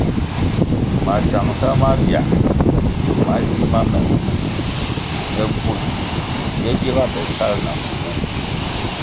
Masangʼsa mabia ma zima me nte bvul yè giga be sal nakugu.